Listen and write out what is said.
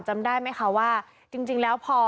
จำได้ไหมคะว่าจริงแล้วพอ